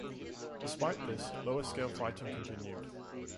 Despite this, lower-scale fighting continued.